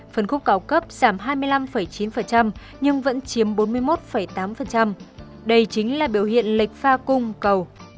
phân khúc cao cấp giảm hai mươi năm chín nhưng vẫn chiếm bốn mươi một tám đây chính là biểu hiện lệch pha cung cầu